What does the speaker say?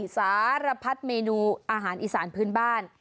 สารพัดเมนูอาหารอีสานพื้นบ้าน